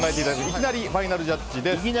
いきなりファイナルジャッジです。